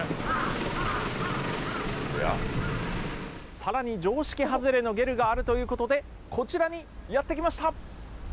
さらに常識外れのゲルがあるということで、こちらにやって来ました。